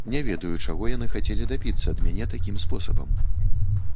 Не ведаю, чаго яны хацелі дабіцца ад мяне такім спосабам.